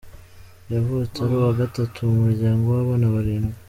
Yavutse ari uwa gatatu mu muryango w’abana barindwi.